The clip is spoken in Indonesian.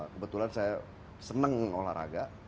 kebetulan saya seneng olahraga